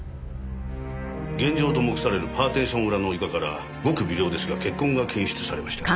現場と目されるパーティション裏の床からごく微量ですが血痕が検出されました。